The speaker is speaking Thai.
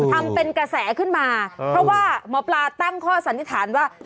ทำเป็นกระแสขึ้นมาเพราะว่าหมอปลาตั้งข้อสันนิษฐานว่า